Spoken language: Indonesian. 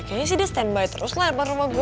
kayanya sih dia standby terus lah depan rumah gue